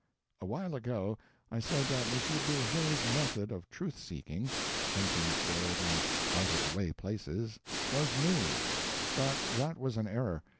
Awhile ago I said that M. Bourget's method of truth seeking hunting for it in out of the way places was new; but that was an error.